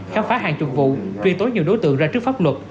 khám phá hàng chục vụ truy tố nhiều đối tượng ra trước pháp luật